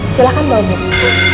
silakan bawa bukit